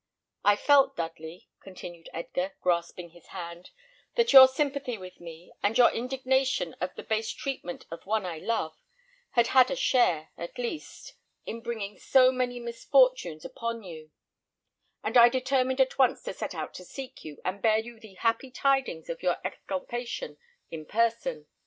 I felt, Dudley," continued Edgar, grasping his hand, "that your sympathy with me, and your indignation of the base treatment of one I love, had had a share, at least, in bringing so many misfortunes upon you, and I determined at once to set out to seek you, and bear you the happy tidings of your exculpation in person.